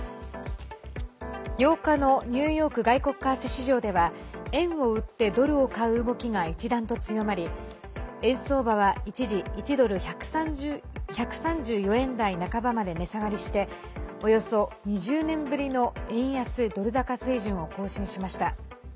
８日のニューヨーク外国為替市場では円を売ってドルを買う動きが一段と強まり円相場は、一時１ドル＝１３４円台半ばまで値下がりしておよそ２０年ぶりの円安ドル高水準を更新しました。